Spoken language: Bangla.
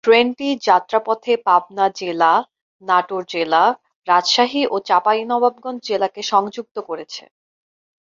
ট্রেনটি যাত্রাপথে পাবনা জেলা, নাটোর জেলা, রাজশাহী জেলা ও চাঁপাইনবাবগঞ্জ জেলাকে সংযুক্ত করেছে।